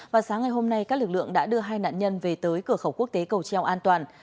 và sáng ngày hôm nay các lực lượng đã đưa hai nạn nhân về tới cửa khẩu quốc tế cầu treo an toàn